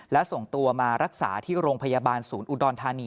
และส่งตัวมารักษาที่โรงพยาบาลศูนย์อุดรธานี